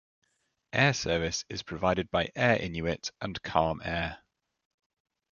Air service is provided by Air Inuit and Calm Air.